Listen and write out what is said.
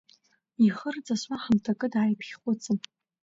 Ихы рҵысуа ҳамҭакы дааиԥхьхәыцын.